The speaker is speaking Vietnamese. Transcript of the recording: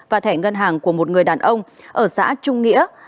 và thẻ ngân hàng của một người đàn ông ở xã trung nghĩa